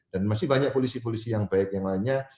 dan masih banyak polisi polisi yang baik yang lainnya